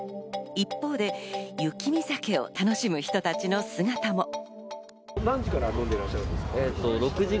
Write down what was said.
一方で雪見酒を楽しむ人たちの姿も。